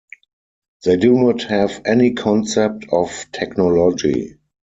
They do not have any concept of technology.